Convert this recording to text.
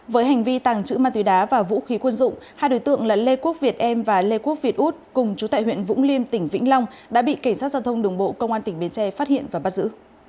với hành vi tàng trữ ma túy đá và vũ khí quân dụng hai đối tượng là lê quốc việt em và lê quốc việt út cùng chú tại huyện vũng liêm tỉnh vĩnh long đã bị cảnh sát giao thông đường bộ công an tỉnh bến tre phát hiện và bắt giữ